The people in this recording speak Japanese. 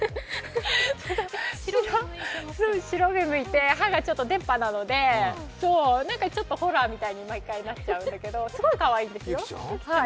白目むいて、歯がちょっと出っ歯なので何かちょっとホラーみたいに毎回なっちゃうんだけどすごいかわいいんですよ。